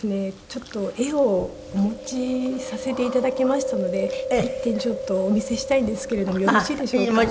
ちょっと絵をお持ちさせて頂きましたので１点ちょっとお見せしたいんですけれどもよろしいでしょうか？